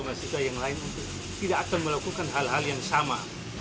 masih ke yang lain itu tidak akan melakukan hal hal yang sama